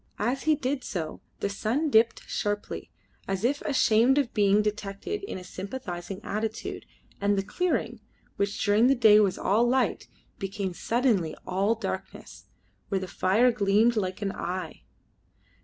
As he did so the sun dipped sharply, as if ashamed of being detected in a sympathising attitude, and the clearing, which during the day was all light, became suddenly all darkness, where the fire gleamed like an eye.